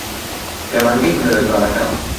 پەیمانگەی هونەرە جوانەکان